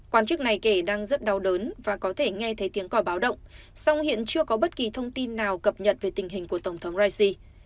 quan chức này kể đang rất đau đớn và có thể nghe thấy tiếng còi báo động song hiện chưa có bất kỳ thông tin nào cập nhật về tình hình của tổng thống raisi